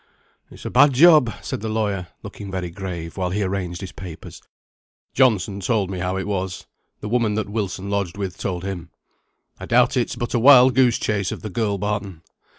"It's a bad job," said the lawyer, looking very grave, while he arranged his papers. "Johnson told me how it was; the woman that Wilson lodged with told him. I doubt it's but a wild goose chase of the girl Barton.